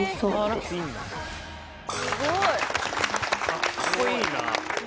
かっこいいな。